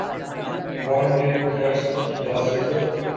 one day اور test کی نہ صرف